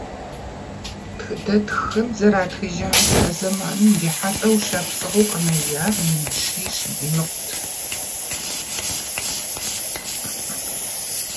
Тхыдэтххэм зэратхыжамкӀэ, а зэманым ирихьэлӀэу шапсыгъыу къэнэжар мин щищ иримыкъут.